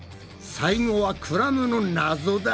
最後はクラムのナゾだ。